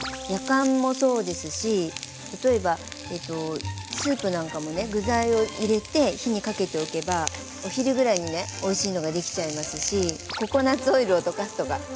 やかんもそうですし例えばスープなんかもね具材を入れて火にかけておけばお昼ぐらいにねおいしいのができちゃいますしココナツオイルを溶かすとか。